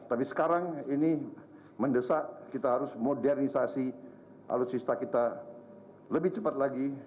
tapi sekarang ini mendesak kita harus modernisasi alutsista kita lebih cepat lagi